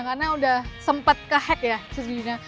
karena udah sempat ke hack ya sejujurnya